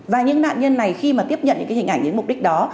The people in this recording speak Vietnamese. và những nạn nhân này khi mà tiếp nhận những cái hình ảnh những mục đích đó